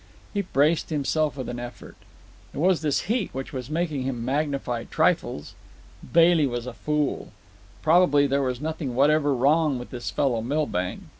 He braced himself with an effort. It was this heat which was making him magnify trifles. Bailey was a fool. Probably there was nothing whatever wrong with this fellow Milbank.